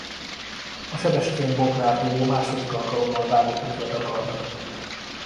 A Sebestyén-Bognár duó második alkalommal vágott neki a Dakarnak.